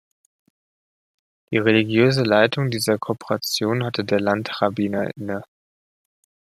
Die religiöse Leitung dieser Korporationen hatte der Landrabbiner inne.